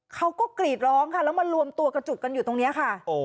เขาก็กรีดร้องค่ะแล้วมารวมตัวกระจุกกันอยู่ตรงนี้ค่ะ